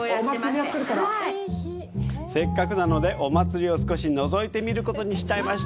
せっかくなので、お祭りを少しのぞいてみることにしちゃいました。